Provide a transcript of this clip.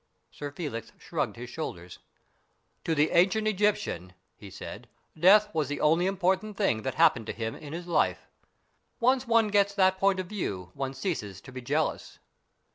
Sir Felix shrugged his shoulders. " To the ancient Egyptian," he said, " death was the only important thing that happened to him in his life. Once one gets that point of view one ceases to be jealous."